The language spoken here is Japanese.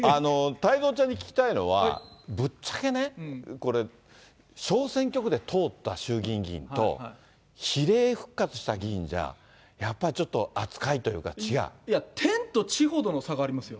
太蔵ちゃんに聞きたいのは、ぶっちゃけね、これ、小選挙区で通った衆議院議員と、比例復活した議員じゃ、やっぱちょっと、天と地ほどの差がありますよ。